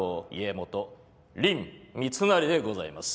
元林密成でございます。